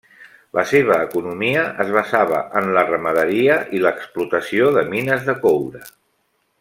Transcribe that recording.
La seva economia es basava en la ramaderia i l'explotació de mines de coure.